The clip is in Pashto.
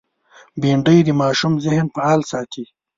بېنډۍ د ماشوم ذهن فعال ساتي